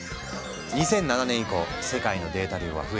２００７年以降世界のデータ量は増え続け